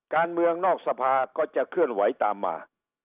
การเมืองนอกสภาก็จะเคลื่อนไหวตามมา